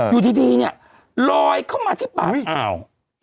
อยู่ดีดีเนี้ยลอยเข้ามาที่ปากอ้าว